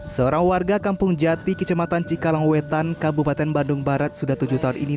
seorang warga kampung jati kecematan cikalangwetan kabupaten bandung barat sudah tujuh tahun ini